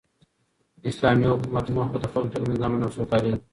د اسلامي حکومت موخه د خلکو تر منځ امن او سوکالي ده.